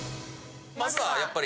まずはやっぱり。